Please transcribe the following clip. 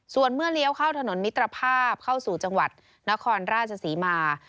ส่วนเมื่อเลี้ยวเข้าถนนมิตรภาพเข้าสู่จังหวัดนครราชศรีมา